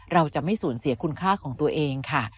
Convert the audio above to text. เราจะไม่สูญเสียคุณค่าของตัวเองค่ะ